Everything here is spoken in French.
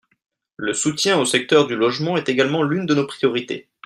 Le soutien au secteur du logement est également l’une de nos priorités.